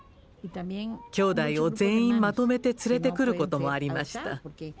きょうだいを全員まとめて連れて来ることもありました。